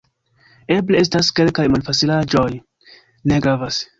Eble estas kelkaj malfacilaĵoj... ne gravas.